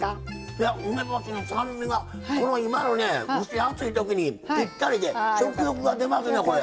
いや梅干しの酸味がこの今のね蒸し暑い時にぴったりで食欲が出ますねこれ。